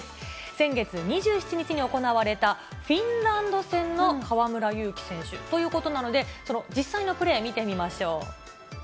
先月２７日に行われたフィンランド戦の河村勇輝選手ということなので、実際のプレー、見てみましょう。